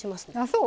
そう？